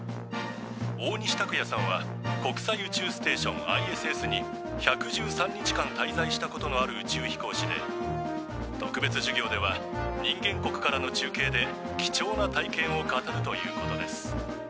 大西卓哉さんは国際宇宙ステーションＩＳＳに１１３日間たいざいしたことのある宇宙飛行士で特別授業では人間国からのちゅうけいで貴重な体験を語るということです。